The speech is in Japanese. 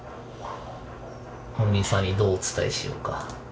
本人さんにどうお伝えしようか。